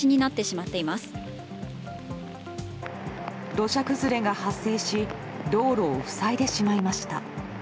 土砂崩れが発生し道路を塞いでしまいました。